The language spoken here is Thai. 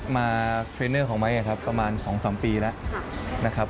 มาเทรนเนอร์ของไม้ประมาณ๒๓ปีแล้ว